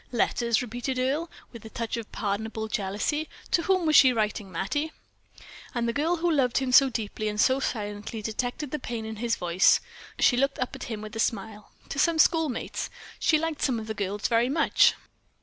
"Letters!" repeated Earle, with a touch of pardonable jealousy. "To whom was she writing, Mattie?" And the girl who loved him so deeply and so silently detected the pain in his voice. She looked up at him with a smile. "To some schoolmates. She liked some of the girls very much."